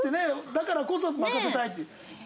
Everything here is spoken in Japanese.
だからこそ任せたいって。